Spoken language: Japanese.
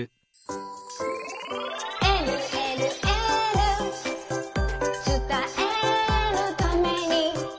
「えるえるエール」「つたえるために」